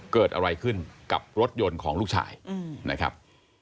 เกิดอะไรขึ้นกับรถยนต์ของลูกชายนะครับ